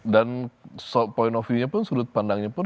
dan point of view nya pun sudut pandangnya pun